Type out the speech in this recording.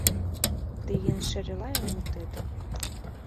Тыйын шере-лай мутетым